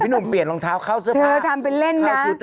หนุ่มเปลี่ยนรองเท้าเข้าเสื้อผ้าเธอทำเป็นเล่นนะ